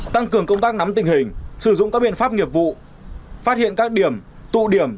tăng cường công tác nắm tình hình sử dụng các biện pháp nghiệp vụ phát hiện các điểm tụ điểm